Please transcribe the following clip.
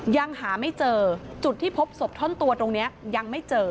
ยังหาไม่เจอจุดที่พบศพท่อนตัวตรงนี้ยังไม่เจอ